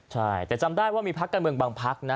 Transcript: ใช่แต่จำได้ว่ามีพักการเมืองบางพักนะ